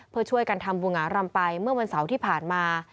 เพื่อช่วยกันทำบูหงารำไปเมื่อวันเสาร์ที่ผ่านมา